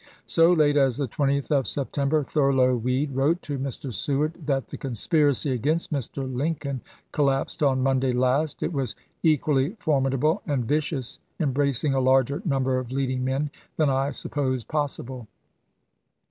So late as the 20th of September Thurlow Weed wrote to Mr. Seward that " the conspiracy against Mr. Lincoln collapsed on Monday last. It was equally formidable and vicious, embracing a larger number of leading men than I supposed possible.